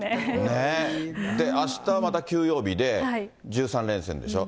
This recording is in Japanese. あしたまた休養日で、１３連戦でしょう。